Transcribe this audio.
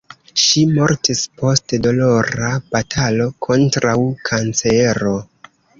Ŝi mortis post dolora batalo kontraŭ kancero.